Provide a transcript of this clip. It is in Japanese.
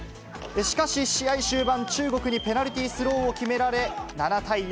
しかし、試合終盤、中国にペナルティースローを決められ、７対４。